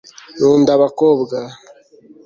nkunda abakobwa